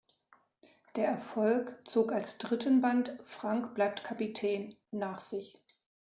Der Erfolg zog als dritten Band "Frank bleibt Kapitän" nach sich.